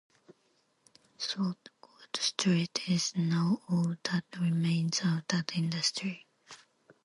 "Saltcote Street" is now all that remains of that industry.